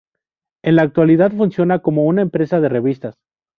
En la actualidad funciona como una empresa de revistas.